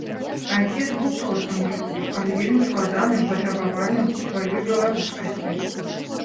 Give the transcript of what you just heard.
Айцец быў простым у жыцці, але вельмі складаным, патрабавальным у сваёй беларускасці.